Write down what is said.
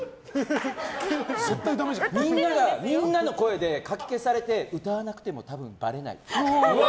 みんなの声でかき消されて歌わなくても多分ばれないって。